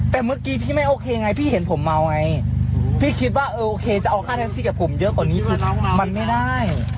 แต่เมื่อกี้พี่ไม่โอเคไงพี่เห็นผมเมาไงพี่คิดว่าโอเคจะเอาค่าแท็กซี่กับผมเยอะกว่านี้คือมันไม่ได้